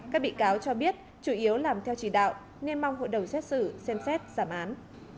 các bị cáo cho biết chủ yếu làm theo chỉ đạo nên mong hội đồng xét xử xem xét giảm án